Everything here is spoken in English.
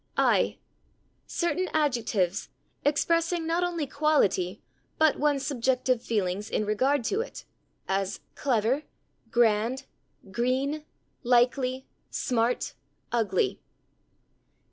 i. "Certain adjectives, expressing not only quality, but one's subjective feelings in regard to it," as /clever/, /grand/, /green/, /likely/, /smart/, /ugly